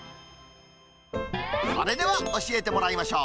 それでは教えてもらいましょう。